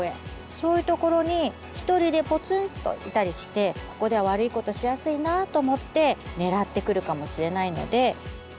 そういうところにひとりでポツンといたりしてここでは悪いことしやすいなと思って狙ってくるかもしれないので。